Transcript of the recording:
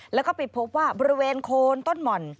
แล้วก็ไปพบว่าบริเวณโคนต้นหม่อน